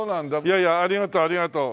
いやいやありがとうありがとう。